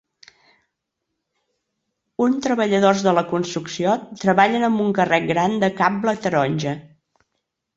Un treballadors de la construcció treballen amb un carret gran de cable taronja.